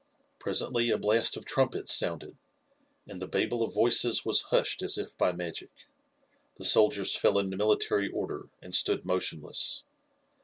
Presently a blast of trumpets sounded, and the babel of voices was hushed as if by magic. The soldiers fell into military order, and stood motionless.